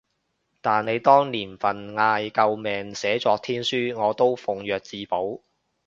但你當年份嗌救命寫作天書，我都奉若至寶